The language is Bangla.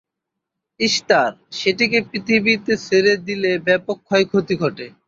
ইশতার সেটিকে পৃথিবীতে ছেড়ে দিলে ব্যাপক ক্ষয়ক্ষতি ঘটে।